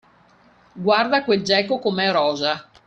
Guarda quel geco com'è rosa!